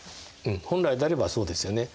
本来であればそうですよね。